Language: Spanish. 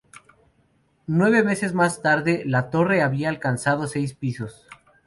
Nueve meses más tarde, la torre había alcanzado seis pisos.